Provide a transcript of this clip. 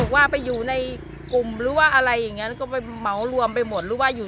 ว่าไปอยู่ในกลุ่มหรือว่าอะไรอย่างนั้นก็ไปเหมารวมไปหมดหรือว่าอยู่